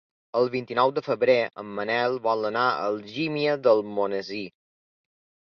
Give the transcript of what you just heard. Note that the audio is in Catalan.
El vint-i-nou de febrer en Manel vol anar a Algímia d'Almonesir.